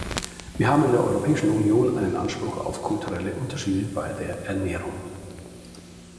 Wir haben in der Europäischen Union einen Anspruch auf kulturelle Unterschiede bei der Ernährung.